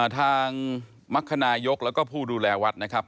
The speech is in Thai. ทางมรรคนายกแล้วก็ผู้ดูแลวัดนะครับ